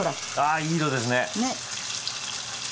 あいい色ですね。ね。